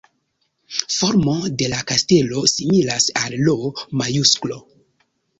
Formo de la kastelo similas al L-majusklo.